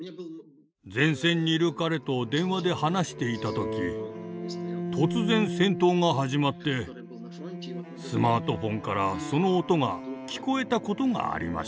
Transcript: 前線にいる彼と電話で話していた時突然戦闘が始まってスマートフォンからその音が聞こえたことがありました。